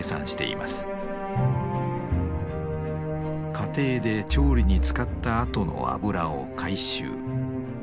家庭で調理に使ったあとの油を回収。